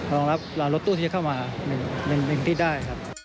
รองรับหลานรถตู้ที่จะเข้ามาในพื้นที่ได้